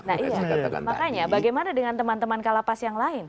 makanya bagaimana dengan teman teman kalapas yang lain